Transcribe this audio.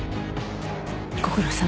ご苦労さま。